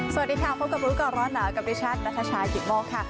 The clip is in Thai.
สวัสดีค่ะพบกับรู้ก่อนร้อนหนาวกับดิฉันนัทชายกิตโมกค่ะ